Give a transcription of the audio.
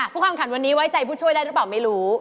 ความขันวันนี้ไว้ใจผู้ช่วยได้หรือเปล่าไม่รู้